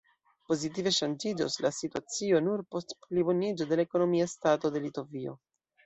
Pozitive ŝanĝiĝos la situacio nur post pliboniĝo de la ekonomia stato de Litovio.